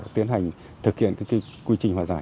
tiến hành thực hiện các quy trình hòa giải